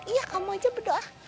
iya kamu aja berdoa